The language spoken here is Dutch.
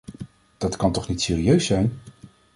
Dat kan toch niet serieus zijn.